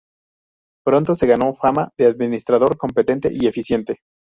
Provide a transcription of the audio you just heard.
Pronto se ganó fama de administrador competente y eficiente.